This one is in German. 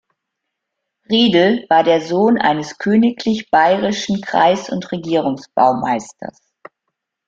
Riedel war der Sohn eines königlich-bayerischen Kreis- und Regierungsbaumeisters.